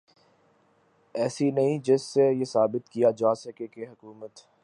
ایسی نہیں جس سے یہ ثابت کیا جا سکے کہ حکومت